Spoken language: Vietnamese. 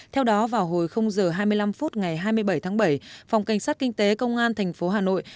theo đó vào hồi h hai mươi năm phút ngày hai mươi bảy tháng bảy phòng cảnh sát kinh tế công an thành phố hà nội